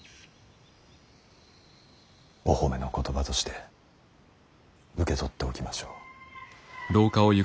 お褒めの言葉として受け取っておきましょう。